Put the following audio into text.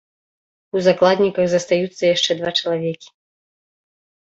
У закладніках застаюцца яшчэ два чалавекі.